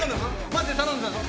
マジで頼んだぞ！